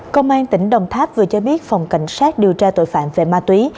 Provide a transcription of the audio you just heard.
công an tỉnh đồng tháp vừa cho biết phòng cảnh sát điều tra tội phạm về ma túy